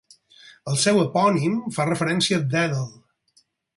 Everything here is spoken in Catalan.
El seu epònim fa referència a Dèdal.